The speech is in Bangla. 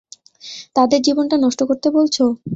তাদের জীবনটা নষ্ট করতে বলছো?